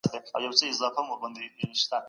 رښتينی انسان به عدالت محکمو ته ورسپاري.